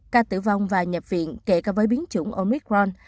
ca tử vong và nhập viện kể cả với biến chủng omicron